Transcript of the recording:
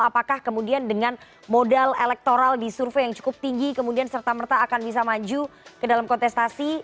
apakah kemudian dengan modal elektoral di survei yang cukup tinggi kemudian serta merta akan bisa maju ke dalam kontestasi